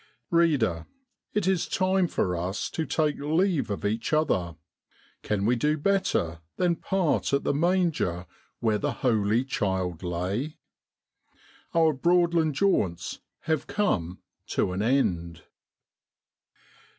Reader, it is time for us to take leave of each other : can we do better than part at the manger where the Holy Child lay ? Our Broadland jaunts have come to an end.